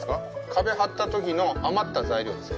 壁張ったときの余った材料ですね